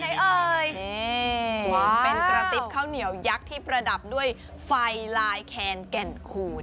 นี่เป็นกระติบข้าวเหนียวยักษ์ที่ประดับด้วยไฟลายแคนแก่นคูณ